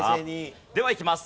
ではいきます。